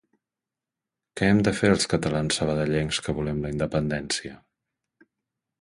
Que hem de fer els catalans Sabadellencs que volem la independència?